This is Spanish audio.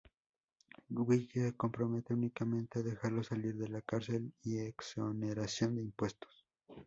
Will se compromete únicamente a dejarlo salir de la cárcel y exoneración de impuestos.